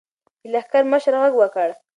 د لښکر مشر غږ وکړ.